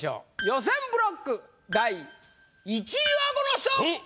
予選ブロック第１位はこの人！